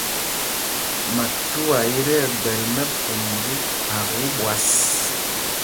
Matauá í tí ɛgbɛl mɛ́pûmb tí kphak íɓwas.